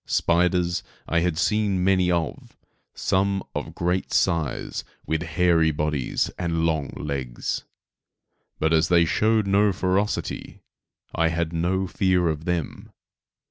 Spiders, I had seen many of, some of great size with hairy bodies and long legs; but as they showed no ferocity, I had no fear of them.